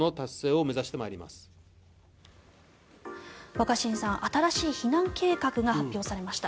若新さん、新しい避難計画が発表されました。